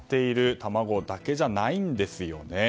卵だけじゃないんですよね。